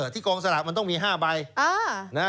กองสลากมันต้องมี๕ใบ